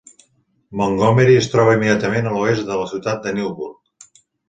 Montgomery es troba immediatament a l'oest de la ciutat de Newburgh.